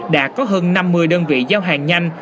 đã có hơn năm mươi đơn vị giao hàng nhanh